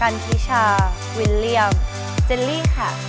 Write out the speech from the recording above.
หมายเลข๑๔กัลพิชาวิลเลียมเจลลี่